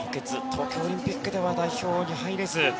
東京オリンピックでは代表に入れず。